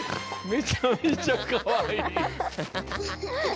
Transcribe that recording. めちゃめちゃかわいい。